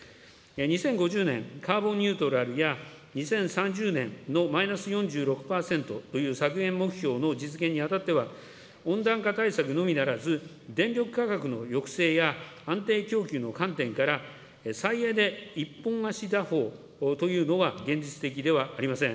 ２０５０年カーボンニュートラルや、２０３０年のマイナス４６％という削減目標の実現にあたっては、温暖化対策のみならず、電力価格の抑制や安定供給の観点から再エネ一本足打法というのは現実的ではありません。